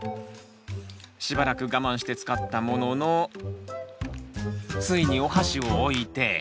しばらく我慢して使ったもののついにおはしを置いて。